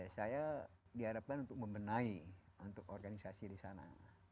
saya diharapkan untuk membenahi untuk organisasi di sana